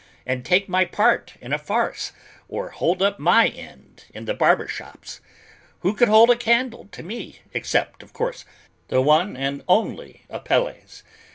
And take my part in a farce, or hold up my end in the barber shops! Who could hold a candle to me except, of course, the one and only Apelles?"